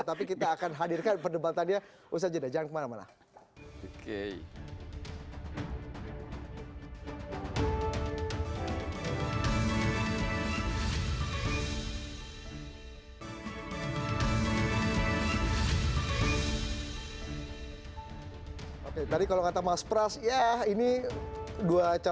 tapi kita akan hadirkan perdebatannya usah jeda jangan kemana mana